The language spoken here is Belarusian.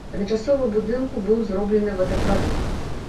Адначасова ў будынку быў зроблены водаправод.